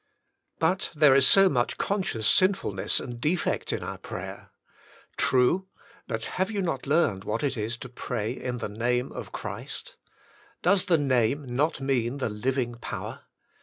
But there is so much conscious sinfulness and defect in our prayer? True, but have you not learned what it is to pray in the Name of Christ? Does the name not mean the living power?